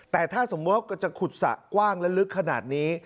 แต่ถ้าสมมุติว่าจะขุดสระกว้างและลึกขนาดนี้